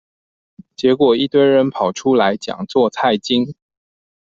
結果一堆人跑出來講做菜經